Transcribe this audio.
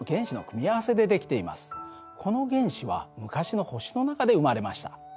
この原子は昔の星の中で生まれました。